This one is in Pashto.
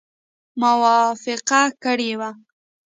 موافقه کړې وه.